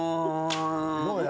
どうや？